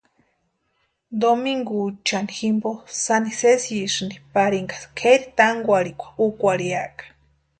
Domiguchani jimpo sáni sésisïnti parika kʼeri tánkwarhikwa úkwarhiaka.